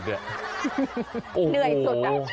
เหนื่อยสุด